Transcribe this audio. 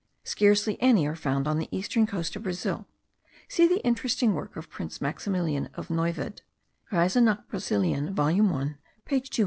Scarcely any are found on the eastern coast of Brazil. See the interesting work of Prince Maximilian of Neuwied, Reise nach Brasilien volume 1 page 274.)